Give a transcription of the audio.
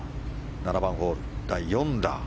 ７番ホール、第４打。